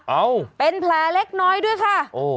เอ้าเป็นแผลเล็กน้อยด้วยค่ะ